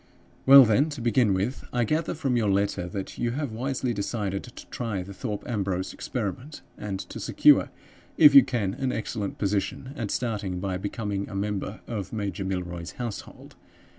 "Well, then, to begin with: I gather from your letter that you have wisely decided to try the Thorpe Ambrose experiment, and to secure, if you can, an excellent position at starting by becoming a member of Major Milroy's household.